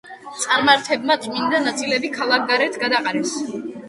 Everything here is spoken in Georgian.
წარმართებმა წმინდა ნაწილები ქალაქგარეთ გადაყარეს.